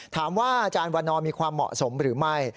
อาจารย์วันนอมีความเหมาะสมหรือไม่